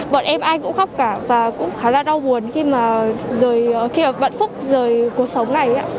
bọn em ai cũng khóc cả và cũng khá là đau buồn khi mà vận phúc rời cuộc sống này